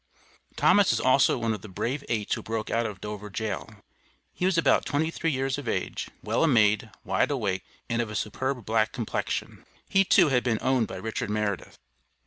Thomas is also one of the brave eight who broke out of Dover Jail. He was about twenty three years of age, well made, wide awake, and of a superb black complexion. He too had been owned by Richard Meredith.